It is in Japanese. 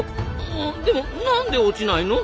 でもなんで落ちないの？